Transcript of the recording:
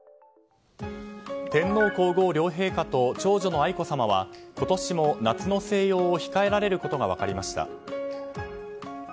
天皇・皇后両陛下と長女の愛子さまは今年も夏の静養を控えられることが分かりました。